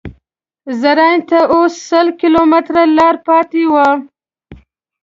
زرنج ته اوس سل کیلومتره لاره پاتې وه.